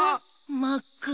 まっくら。